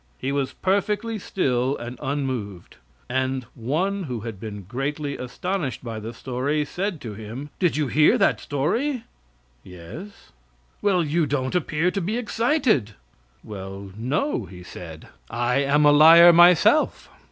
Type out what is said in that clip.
He was perfectly still and unmoved; and one who had been greatly astonished by the story said to him: "Did you hear that story?" "Yes." "Well, you don't appear to be excited." "Well no," he said; "I am a liar myself."